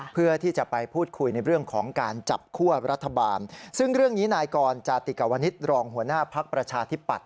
เพื่อที่จะไปพูดคุยในเรื่องของการจับคั่วรัฐบาลซึ่งเรื่องนี้นายกรจาติกวนิษฐ์รองหัวหน้าภักดิ์ประชาธิปัตย